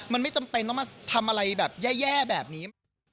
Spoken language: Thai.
มันไม่จำเป็นต้องมาทำอะไรแบบแย่แบบนี้